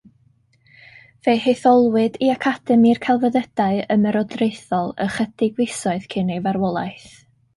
Fe'i hetholwyd i Academi'r Celfyddydau Ymerodraethol ychydig fisoedd cyn ei farwolaeth.